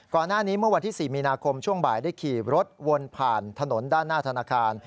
ก่อนหน้านี้เมื่อวันที่๔มีนาคมช่วงบ่ายได้ขี่รถวนผ่านถนนด้านหน้าธนาคาร